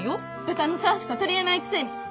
豚の世話しか取り柄ないくせに！